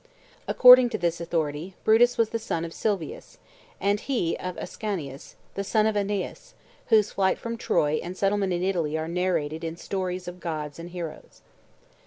According to this authority, Brutus was the son of Silvius, and he of Ascanius, the son of Aeneas, whose flight from Troy and settlement in Italy are narrated in "Stories of Gods and Heroes."